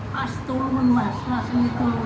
mas turun mas mas ini turun